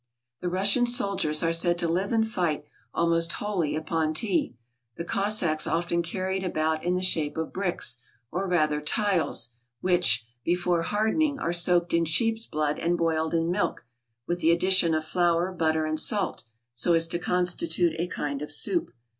"The Russian soldiers are said to live and fight almost wholly upon tea. The Cossacks often carry it about in the shape of bricks, or rather tiles, which, before hardening, are soaked in sheep's blood and boiled in milk, with the addition of flour, butter and salt, so as to constitute a kind of soup.